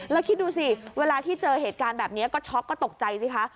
แล้วคิดดูสิเวลาที่เจอเหตุการณ์แบบนี้ก็ช็อกก็ตกใจสิคะ